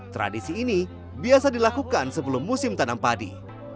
tradisi ini biasa dilakukan sebelum musim tanam padi